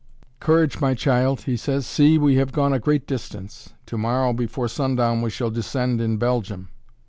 "Courage, my child," he says; "see, we have gone a great distance; to morrow before sundown we shall descend in Belgium."